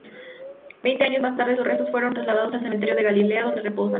Veinte años más tarde sus restos fueron trasladados al cementerio de Galilea, donde reposan.